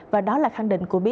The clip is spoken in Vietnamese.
và đó là khẳng định của bí đa